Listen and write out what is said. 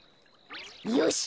よし！